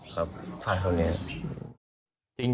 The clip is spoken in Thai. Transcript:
ครับฟาดเขาเนี่ย